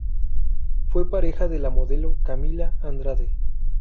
Fue pareja de la modelo Camila Andrade.